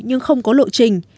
nhưng không có lộ trình